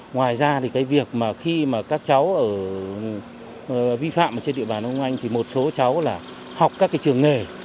ngoài ra thì cái việc mà khi mà các cháu ở vi phạm ở trên địa bàn đông anh thì một số cháu là học các cái trường nghề